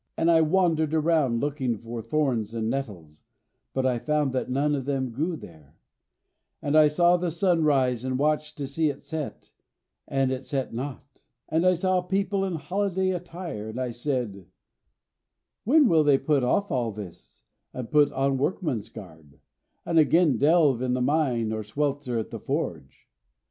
And I wandered around looking for thorns and nettles, but I found that none of them grew there; and I saw the sun rise and watched to see it set, but it set not. And I saw people in holiday attire, and I said, 'When will they put off all this, and put on workman's garb, and again delve in the mine or swelter at the forge?'